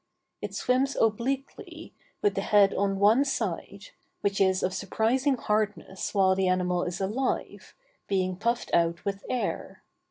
It swims obliquely, with the head on one side, which is of surprising hardness while the animal is alive, being puffed out with air.